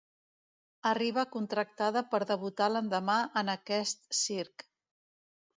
Arriba contractada per debutar l'endemà en aquest circ.